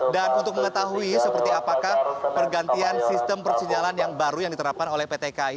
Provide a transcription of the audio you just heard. dan untuk mengetahui seperti apakah pergantian sistem persinyalan yang baru yang diterapkan oleh pt kereta api indonesia